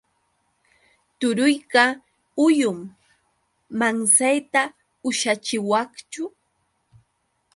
Turuyqa huyum. ¿Mansayta ushachiwaqchu?